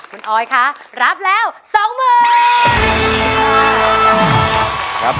คุณออยร้องได้รับแล้ว๒๐๐๐๐บาท